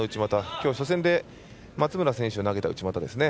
きょう初戦で松村選手を投げた内股ですね。